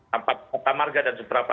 tampak tamarga dan seberapa